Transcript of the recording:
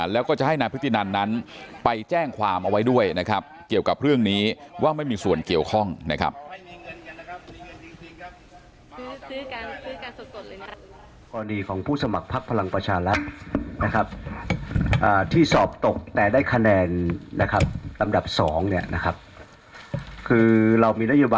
แล้วก็จะให้นายพฤตินันนั้นไปแจ้งความเอาไว้ด้วยนะครับเกี่ยวกับเรื่องนี้ว่าไม่มีส่วนเกี่ยวข้องนะครับ